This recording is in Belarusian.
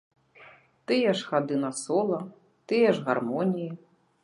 Тыя ж хады на сола, тыя ж гармоніі.